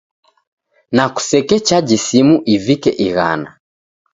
Na kusekechaji simu ivike ighana.